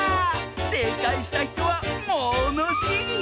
せいかいしたひとはものしり！